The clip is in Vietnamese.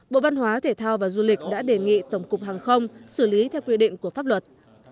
bộ văn hóa thể thao và du lịch đã đề nghị tổng cục hàng không xử lý theo quy định của pháp luật